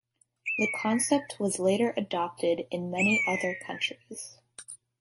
The concept was later adopted in many other countries.